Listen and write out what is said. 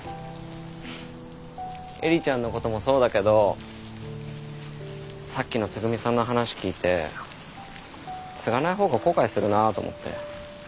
映里ちゃんのこともそうだけどさっきのつぐみさんの話聞いて継がない方が後悔するなあと思って。